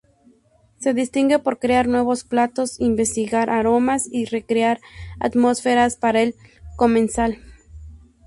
Se distingue por crear nuevos platos, investigar aromas y recrear atmósferas para el comensal.